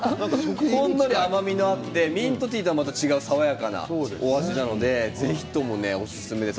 ほんのり甘みがあってミントティーではまた違ったお味なのでぜひともおすすめです。